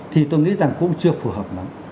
thì tôi nghĩ rằng cũng chưa phù hợp lắm